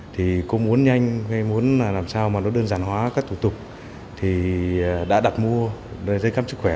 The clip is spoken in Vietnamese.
thì cô muốn nhanh hay muốn làm sao mà nó đơn giản hóa các thủ tục thì đã đặt mua giấy khám sức khỏe